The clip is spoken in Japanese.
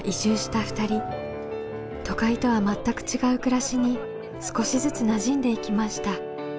都会とは全く違う暮らしに少しずつなじんでいきました。